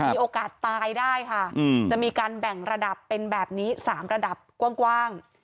มีโอกาสตายได้ค่ะจะมีการแบ่งระดับเป็นแบบนี้๓ระดับกว้าง